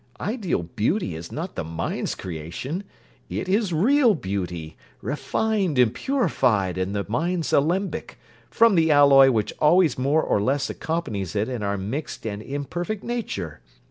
Ideal beauty is not the mind's creation: it is real beauty, refined and purified in the mind's alembic, from the alloy which always more or less accompanies it in our mixed and imperfect nature.